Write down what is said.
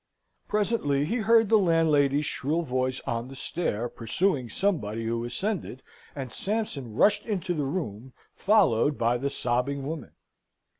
Presently he heard the landlady's shrill voice on the stair, pursuing somebody who ascended, and Sampson rushed into the room, followed by the sobbing woman.